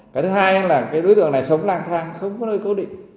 cái thứ hai là cái đối tượng này sống lang thang không có nơi cố định